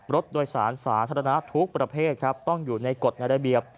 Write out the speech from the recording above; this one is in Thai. รถโดยสารสาธารณะทุกประเภทครับต้องอยู่ในกฎในระเบียบ